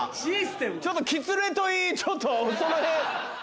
ちょっと「きつね」といいちょっとそのへん。